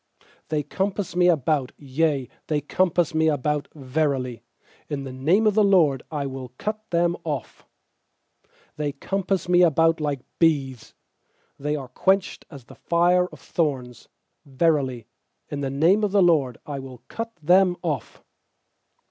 uThey compass me about, yea, they compass me about; Verily, in the name of the LORD I will cut them off. 12They compass me about like bees; , They are quenched as the fire of thorns; Verily, in the name of the LORD I will cut them off.